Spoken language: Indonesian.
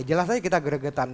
jelas saja kita geregetan